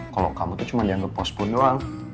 kalau kamu tuh cuma dianggap pos pun doang